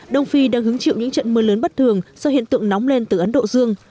đông phi đang hứng chịu những trận mưa lớn bất thường do hiện tượng nóng lên từ ấn độ dương